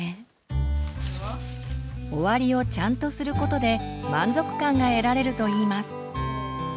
終わりをちゃんとすることで満足感が得られるといいます。